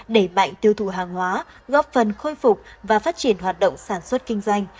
đẩy mạnh tiêu thụ hàng hóa góp phần khôi phục và phát triển hoạt động sản xuất kinh doanh